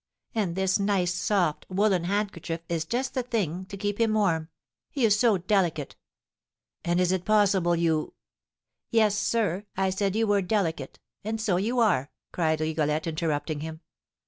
And this nice, soft, woollen handkerchief is just the thing to keep him warm; he is so delicate!" "And is it possible you " "Yes, sir, I said you were delicate and so you are," cried Rigolette, interrupting him.